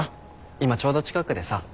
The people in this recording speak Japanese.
今ちょうど近くでさ。